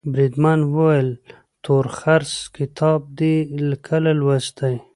بریدمن وویل تورخرس کتاب دي کله لوستی.